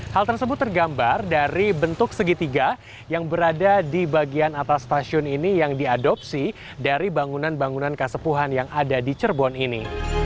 hal tersebut tergambar dari bentuk segitiga yang berada di bagian atas stasiun ini yang diadopsi dari bangunan bangunan kasepuhan yang ada di cerbon ini